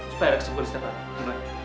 supaya ada kesepian di setiap rumah